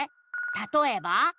「たとえば？」